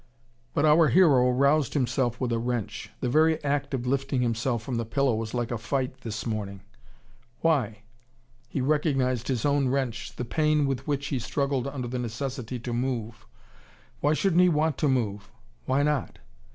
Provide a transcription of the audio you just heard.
But our hero roused himself with a wrench. The very act of lifting himself from the pillow was like a fight this morning. Why? He recognized his own wrench, the pain with which he struggled under the necessity to move. Why shouldn't he want to move? Why not?